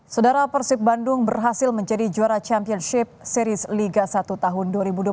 saudara persib bandung berhasil menjadi juara championship series liga satu tahun dua ribu dua puluh tiga